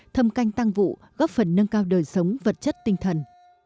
thâm canh tăng vụ góp phần nâng cao đời sống vật chất tinh thần